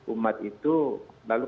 umat itu lalu